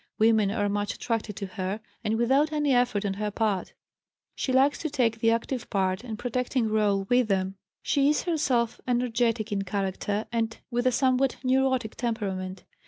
Women are much attracted to her, and without any effort on her part. She likes to take the active part and protecting rôle with them. She is herself energetic in character, and with a somewhat neurotic temperament.